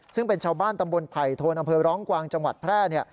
ซึ่งเป็นชาวบ้านตำบลไผ่โทนอำเภอร้องกวางจังหวัดแพร่เนี่ย